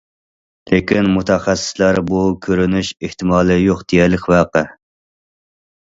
لېكىن مۇتەخەسسىسلەر‹‹ بۇ كۆرۈلۈش ئېھتىمالى يوق دېيەرلىك ۋەقە››.